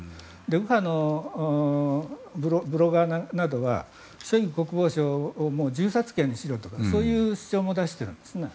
右派のブロガーなどはショイグ国防相を銃殺刑にしろとかそういう主張も出してるんですね。